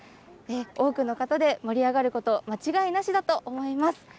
多くの方で盛り上がること間違いなしだと思います。